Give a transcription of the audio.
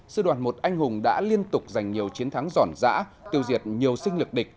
sư đoàn một anh hùng đã liên tục giành nhiều chiến thắng giòn dã tiêu diệt nhiều sinh lực địch